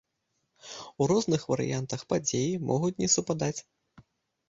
У розных варыянтах падзеі могуць не супадаць.